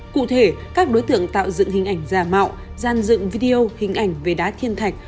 cụ thể các đối tượng tạo dựng hình ảnh giả mạo gian dựng video hình ảnh về đá thiên thạch